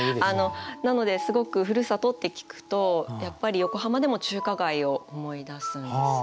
なのですごくふるさとって聞くとやっぱり横浜でも中華街を思い出すんです。